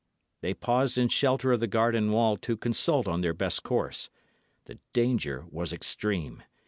They paused in shelter of the garden wall to consult on their best course. The danger was extreme.